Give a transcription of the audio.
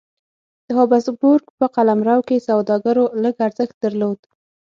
د هابسبورګ په قلمرو کې سوداګرو لږ ارزښت درلود.